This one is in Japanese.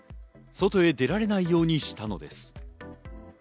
外へ出られないようにしたのです。